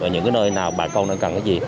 ở những nơi nào bà con cần cái gì